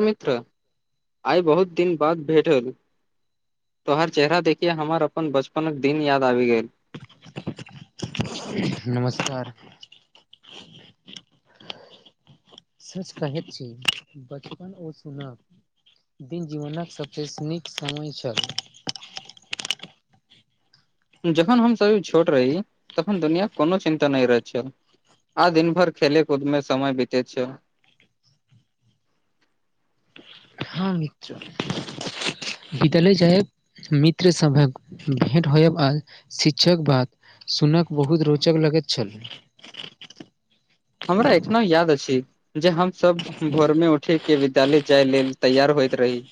मित्र आइ बहुत दिन बाद भेट होल। तोहर चेहरा देखिके हमर अपन बचपनक दिन याद आबि गेल। नमस्कार सच कहैत छी बचपन [unintelligible] दिन जीवनक सबशे नीक समय छल। जखन हमसभ छोट रही तखन दुनियाक कोनो चिन्ता नहि रहैत छल। आ दिन भर खेले कूद मे समय बीतैत छल। हँ मित्र [unintelligible] मित्र सभक भेट होयब आ शिक्षक बाद सुनब बहुत रोचक लगैत छल। हमरा एखनो याद अछि जे हम सब भोर मे उठीके विद्यालय जाय लेल तैयार होइत रही।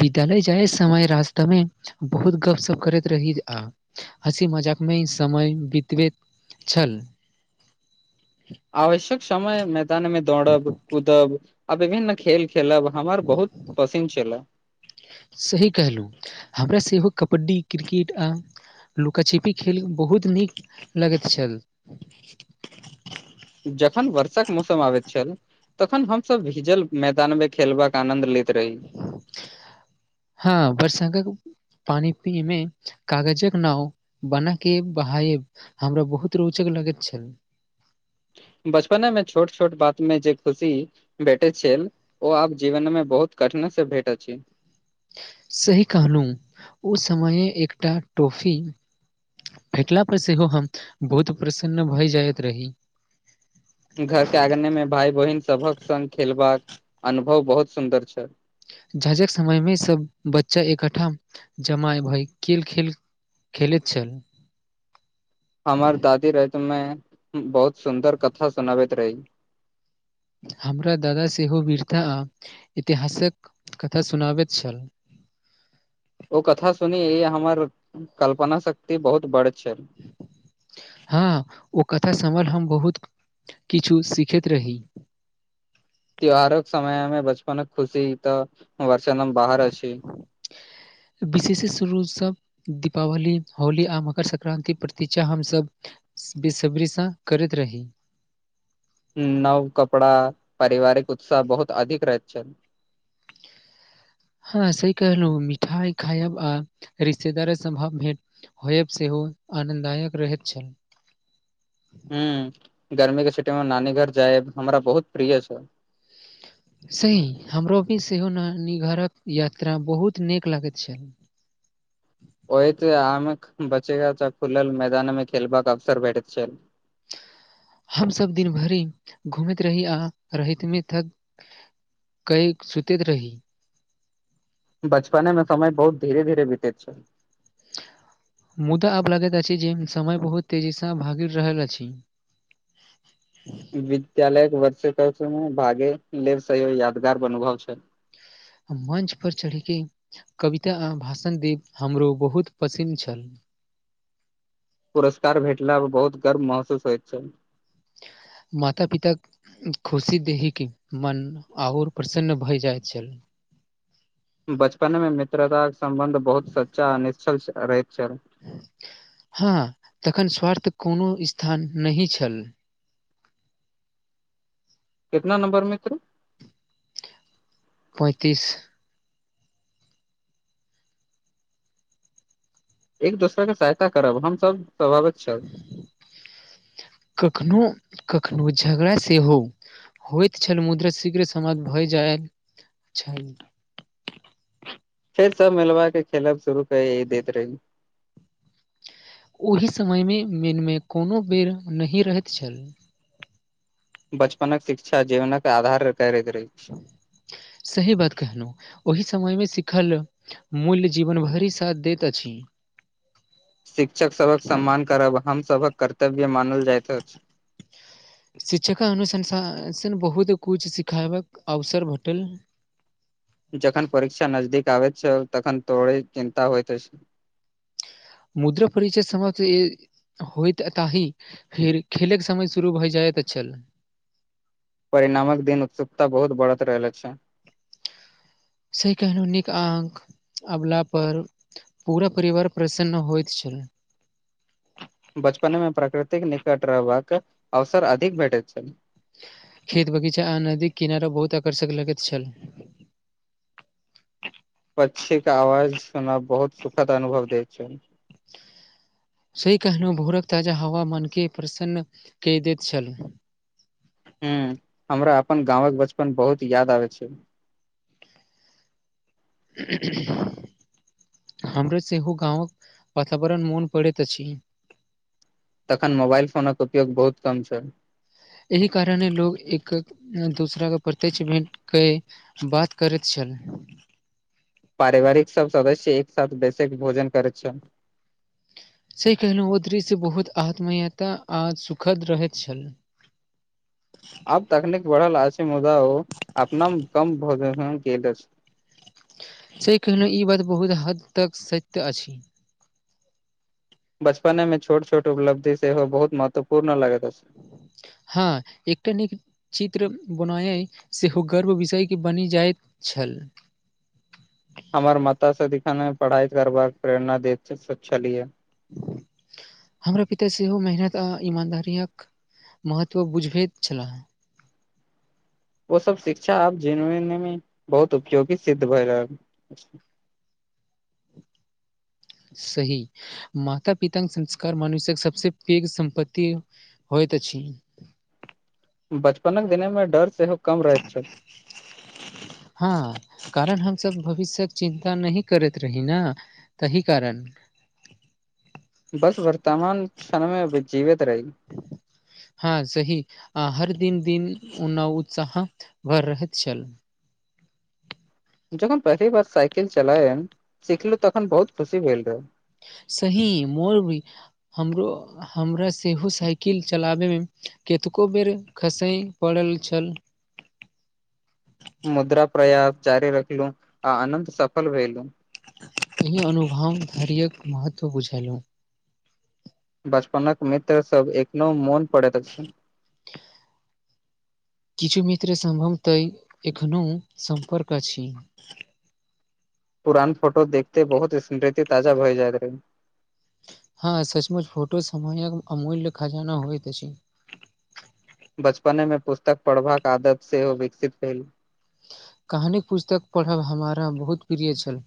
विद्यालय जाय समयमें रास्तामे बहुत गपशप करैत रही आ हँसी मजाकमे समय बितबैत छल आवश्यक समय मैदान मे दौड़ब कूदब आ विभिन्न खेल खेलब हमर बहुत पसन छला सही कहलहुँ हमरा सेहो कबड्डी क्रिकेट आ लुकाछिपी खेल बहुत नीक लगैत छल। जखन वर्षाक मौसम आबैत छल तखन हमसभ भिजल मैदानमे खेलबाक आनन्द लैत रही। हँ बरषा पानि पीमे कागजक नाव बना के बहायब हमरा बहुत रोचक लगैत छल। बचपनेमें छोट छोट बात में जे खुशी भेटेत छैल ओ आब जीवन मे बहुत कठिनाइ से भेट अछि। सही कहलहु ओ समय एकटा टॉफी भेटला पर सेहो हम बहुत प्रसन्न भय जाइत रही। घरके आंगने में भाय बहिन सभक संग खेलबाक अनुभव बहुत सुन्दर छ झझक समयमे सब बच्चा एकठ्ठा जमा भय खेल खेल खेलैत छल। हमर दादी रति में बहुत सुन्दर कथा सुनाबैत रही। हमरा दादा सेहो वीरथा आ इतिहासक कथा सुनाबैत छल। ओ कथा सुनि ई हमर कल्पना शक्ति बहुत बड़त छल। हँ ओ कथा सम्ल हम बहुत किछु सिखैत रही। त्यौहारक समयमेम बचपनक खुशी तऽ [unintelligible] बाहर अछि। विशेष शुरूस दीपावली होली आ मकर संक्रान्ति प्रति्षा हम सभ बेसब्रीसँ करैत रही। नव कपड़ा, पारिवारिक उत्साह बहुत अधिक रहैत छै हँ सही कहलहुँ, मिठाइ खायब आ रिश्तेदार सभक भेंट होयब सेहो आनन्ददायक रहैत छल हॅं, गर्मीके छुट्टीमे नानी घर जायब हमरा बहुत प्रिय छल सही हमरो भी सेहो नानी घरक यात्रा बहुत नीक लगैत छल ओहित आमे बचेगा [unintelligible] खुलल मैदानमे खेलबाक अवसर भेटैत छै हम सब दिन भरि घूमैत रही आ [unintelligible] रतमे तक [unintelligible] सुतैत रही बचपनेमे समय बहुत धीरे-धीरे बीतैत छै। मुदा आब लगैत अछि जे समय बहुत तेजीसँ भागि रहल अछि ह [inaudible] विद्यालय वार्षिकोत्सवमे भाग लेब सॅं यादगार अनुभव छै मंच पर चढ़िके कविता आ भाषण देब हमरो बहुत पसिन्न छल पुरस्कार भेटला पर बहुत गर्व महसूस होइ छै। माता-पिता खुशी देखिकऽ मन आओर प्रसन्न भए जाइ छै बचपनेमे मित्रतााके सम्बन्ध बहुत सच्चा आ निश्छल रहैत छल हँ तखन स्वार्थ कोनो स्थान नहि छल। कितना नंबर मित्र? पैंतीस एक दोसराके सहायता करब हम सभ स्वभाविक छल कखनो-कखनो झगड़ा सेहो होइत छल मुद्रा शीघ्रे समाधान भए जाइत छल। फेर सब मिलबाके खेलब शुरू कइए देैत रही ओहि समयमे मनमे कोनो बैर नहि रहैत छल बचपन शिक्षा जीवनक आधार [unintelligible] करैत रही सही बात कहलहुँ ओहि समयमे सिखल मूल्य जीवन भरि साथ दैत अछि। शिक्षक सभक सम्मान करब हम सभक कर्तव्य मानल जाइत अछि। शिक्षकक अनुशासनसे बहुत कुछ [unintelligible] सिखेबक अवसर भेटल जखन परीक्षा नजदीक आबैत छल तखन तोरे चिन्ता होइत अछि मुद्र परिचय समयथ [unintelligible] होयत ताहि फेर खेलेके समय शुरू भए जाएत छल परिणामक दिन उत्सुकता बहुत बढ़ल [unintelligible] रहैत छल से केहनो नीक अंक अवला पर पूरा परिवार प्रसन्न होइत छल। बचपनेमे प्राकृतिक निकट रहबाक अवसर अधिक भेटैत छै खेत, बगीचा आ नदीक किनारा बहुत आकर्षक लगैत छल। पक्षीक आवाज सुनब बहुत सुखद अनुभव देै छै सही कहलहुँ भोरक ताजा हवा मनके प्रसन्न कऽ दैत छल हॅं, हमरा अपन गाँवक बचपन बहुत याद आबै छै हमरा सेहो गाँवक वातावरण मोन पड़ैत अछि। तखन मोबाइल फोनक उपयोग बहुत कम छल। एहि कारणे लोक एक-दोसराके प्रत्यक्ष भेंट कए बात करैत छल। पारिवारिक सब सदस्य एक साथ बेसेके भोजन करैत छ से कहलहुँ मद्री सेय बहुत आत्मीयता आ सुखद रहैत छल अब तकनीक बढ़ल आश मुदा ओ अपनम कम भोज से कहिनोहु ई बात बहुत हद तक सत्य अछि बचपने में छोट छोट उपलब्धि सेहो बहुत महत्वपूर्ण लगत अछि हँ एकटा नीक चित्र बनाय सेहो गर्व विषयके बनि जाइत छल हमर माता सदिखने पढ़ाई करबाक प्रेरणा दे छलियै हमरा पिता सेहो मेहनत आ ईमानदारियक महत्व बुझबैत छलए हँ ओ सब शिक्षा आब जेनवनमे बहुत उपयोगी सिद्ध भए रहल सही माता पित संस्कार मनुषक सबस पेघ सम्पत्तति हो तऽ छी बचपनक दिने मे डर सेहो कम रहैत छल हँ कारण हमसभ भविष्यके चिन्ता नहि करैत रही ने तही कारण बस वर्तमान क्षणमे जीवित रही हँ सही आ हर दिन दिन उ उत्साह भर रहेत छल जखन पहिली बार साइकिल चलायम सिखलु तखन बहुत खुशी भेल रहे सही मोल भऽ हमरो हमरा सेहो साइकिल चलाबैमे कतेको बेर खसै पड़ल छल मुद्रा प्रयास जारी रखलू आ अनत सफल भेल एहि अनुभव धैर्य्यक महत्व बुझेलहुँ बचपनक मित्रसभ एखनो मोन पत किछु मित्र सम्भवतः एखनो सम्पर्क अछि पुरान फोटो देखते बहुत स्मृति ताजा भए जाइत रहै ह सचमच फोटो समय अमूल्य खजाना होइत अछि बचपने में पुस्तक पढ़बाक आदत सेहो विकसित कभयल कहानी पुस्तक पढ़ब हमारा बहुत प्रिय छल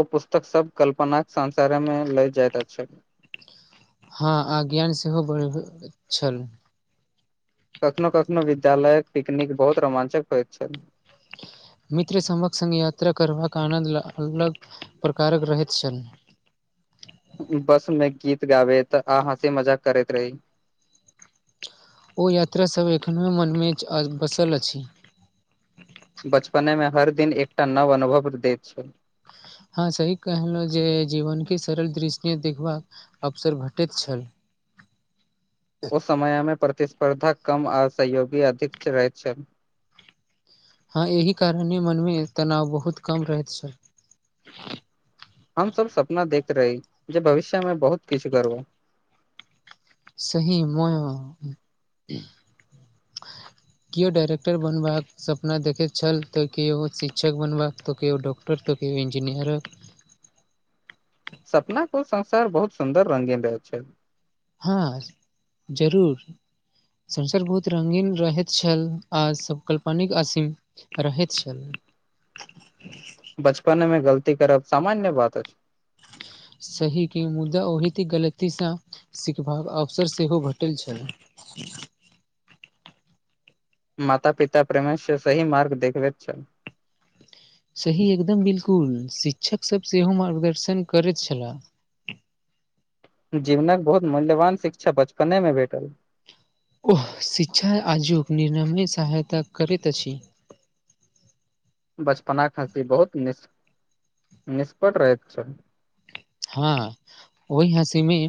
ओ पुस्तक सब कल्पनाक संसारमे ले जाइत अछि हँ आ ज्ञान सेहो बढ़ छल कखनो कखनो विद्यालयक पिकनिक बहुत रोमाञ्चक होइत छल मित्र सभक संग यात्रा करबाक आनन्द अलग प्रकारक रहैत छल बस में गीत गाबैत आ हंसी मजाक करैत रही ओ यात्रासभ एखनो मनमे बसल अछि बचपने मे हर दिन एकटा नव अनुभव दैत छै हँ सही कहलहुं जे जीवन के सरल दृश्य मे देखबाक अवसर भेटैत छल ओ समयमे प्रतिस्पर्धा कम आ सहयोगी अधिक रहैत छल हँ एहि कारणे मनमे तनाव बहुत कम रहैत छल हम सब सपना देख रही जे भविष्य में बहुत किछु गरबऽ सही म [inaudible] केओ डाइरेक्टर बनबाक सपना देखैत छल तऽ केओ शिक्षक बनबाक तऽ केओ डॉक्ट टर तऽ के इंजनियरक सपना को संसार बहुत सुन्दर रंगीन रहै छै हँ जरूर संसर बहुत रंगीन रहैत छल आ सब कल्पनिक असीम रोहित छै बचपनमे गलती करब सामान्य बात अछि सही के मुदा ओहिते गलतीसँ सिखबाक अवसर सेहो भेटल छैय माता पिता प प्रमेसर सही मार्ग देखबे छल सही एकदम बिल्कुल शिक्षक सब सेहो मार्गदर्शन करैत छलाह जीवनक बहुत मूल्यवान शिक्षा बचपने मे भेटल ओह शिक्षा आजुक निर्णय मे सहायता करैत अछि बचपना खसी बहुत निष [unintelligible] निष्पट रहैत छलै हँ ओहि हँसी मे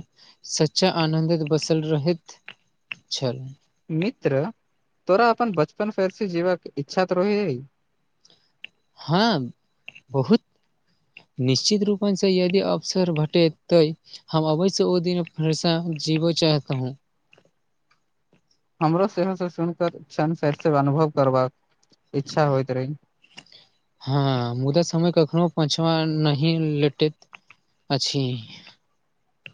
सच्चा आनंद बसल रहैत छल मित्र तोरा अपन बचपन फेर से जीवाके इच्छा तऽ रहै है हम [unintelligible] बहुत निश्चित रूपसँ यदि अवसर भटेत त हम अबै से ओ दिन फेरसँ जीबै चाहत हूं हमरो सेहो से सुन क छन अनुभव करबाक इच्छा होइत रहे हँ मुदा समय कखनो पशिमा नहि लेटैत अछि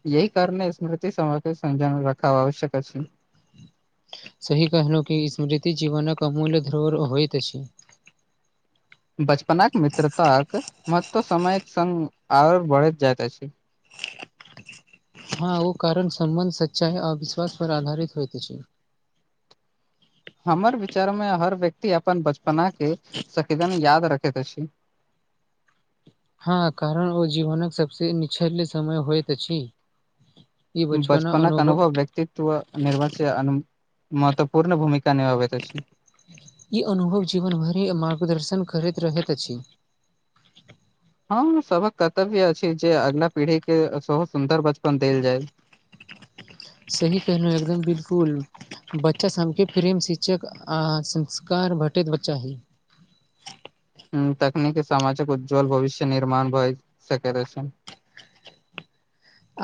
यही कारणे स्मृति समक संजान रखा आवश्यक अछि। सही कहलौं कि ई स्मृति जीवनक अमूल्य धरोहर होइत अछि बचपनक मित्रताक महत्व समयक संग और बढ़ैत जाइत अछि हँ ओ कारण सम्बन्ध सच्चाइ अ विश्वास पर आधारित होयइते छै हमर विचार मे हर व्यक्ति अपन बचपना के सकेदन याद रखैत अछि हँ कारण ओ जीवनक सबसे निछल्य समय होइत अछि ई बचपना बचपनक अनुभव व्यक्ति [unintelligible] आ महत्वपूर्ण भूमिका निभाबैत अछि ई अनुभव जीवन भरे मार्गदर्शन करैत रहैत अछि हम सबक कर्तव्य अछि जे अगिला पीढ़ी के सेहो सुंदर बचपन देल जाय सही कहनोहु एकदम बिल्कुल बच्चा सबके प्रेम शिक्षक आ संस्कार भेटैत बच्चा ही ह तकनीकी सामजिक उज्ज्वल भविष्य निर्माण भइ सकय अछि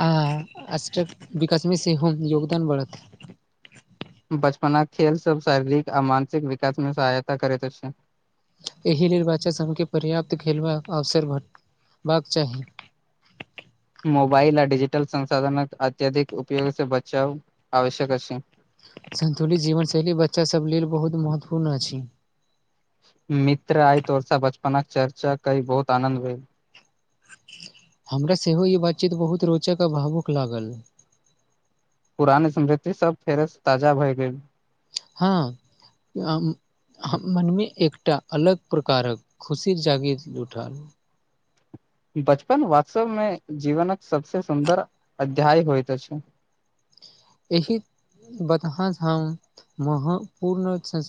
आ आष्टक विकासमे सेहो योगदान बढ़त बचपना क खेल सब शारीरिक आ मानसिक विकास मे सहायता करैत अछि एहि लेल बच्चा सबके पर्याप्त खेलबाक अवसर भेटबाक चाही मोबाइल आ डिजिटल संसाधनक अत्यधिक उपयोग से बचाओं आवश्यक आछि संतुलित जीवन शैली बच्चा सब लेल बहुत महत्वपूर्ण अछि मित्र आई तोर स बचपनक चर्चा कै बहुत आनंद भेल हमरा सेहो ई बातचीत बहुत रोचक आ भावुक लागल पुरान स्मृति सब फेर सँ ताजा भए गेल हँ [unintelligible] ह मनमे एकटा अलग प्रकारक खुशी जागीत उठल बचपन वास्तव में जीवनक सबसे स सुंदर अध्याय होइत अछि [inaudible] बतहा हम मह पूर्ण से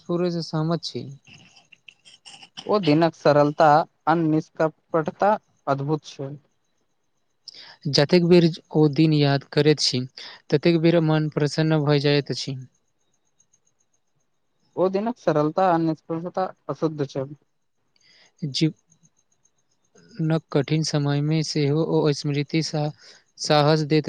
सहमत छी [unintelligible] ओ दिनक सरलता आ निक्षपता [unintelligible] अद्भुत छै जतेक बेर ओ दिन याद करैत छि ततेक भीर मन प्रसन्न भइ जाइतइत अछि ओ दिनक सरलता आ निपता अशुद्ध छै [inaudible] न कठिन समय मे सेहो स्मृति साहस देत